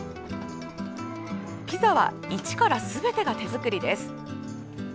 ピザは、一からすべてが手作りです。